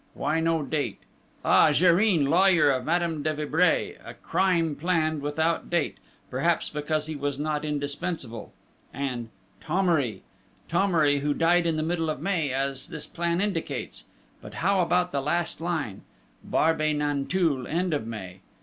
Why no date? Ah, Gérin, lawyer of Madame de Vibray, a crime planned, without date, perhaps because he was not indispensable ... and Thomery! Thomery, who died in the middle of May, as this plan indicates! But, how about the last line? _Barbey Nanteuil, end of May?